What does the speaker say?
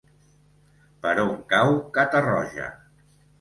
Per on cau Catarroja?